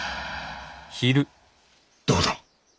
どうだ？